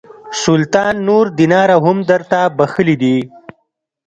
سلطان نور دیناره هم درته بخښلي دي.